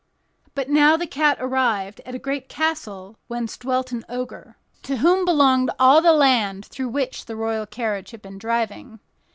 But now the cat arrived at a great castle where dwelt an Ogre, to whom belonged all the land through which the royal carriage had been driving.